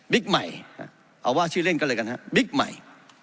ใหม่เอาว่าชื่อเล่นก็เลยกันฮะบิ๊กใหม่